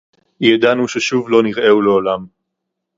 יָדַעְנוּ שֶׁשּׁוּב לֹא נִרְאֵהוּ לְעוֹלָם.